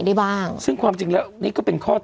เพื่อไม่ให้เชื้อมันกระจายหรือว่าขยายตัวเพิ่มมากขึ้น